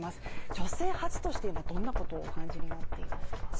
女性初として今、どんなことをお感じになっていますか？